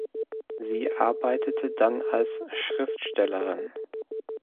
Sie arbeitete dann als Schriftstellerin.